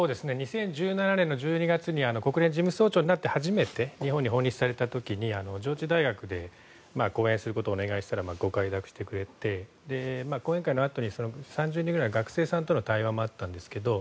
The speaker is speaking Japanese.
２０１７年１２月に国連事務総長になって初めて日本に訪日された時に上智大学で講演することをお願いしたら、ご快諾してくれて講演会のあとに３０人くらい学生さんとの対話もあったんですけど